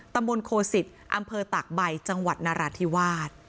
ตำบลโคสิตอำเภอตากใบจังหวัดนราธิวาส